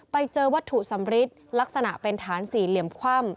ไปเจอวัตถุสำริดลักษณะเป็นฐานสี่เหลี่ยมคว่ำ